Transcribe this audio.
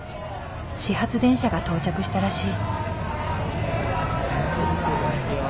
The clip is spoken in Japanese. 始発電車が到着したらしい。